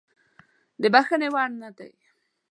د بخښنې وړ نه دی.